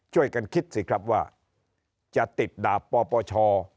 ช่วยกันคิดสิครับว่าจะติดดาบปปช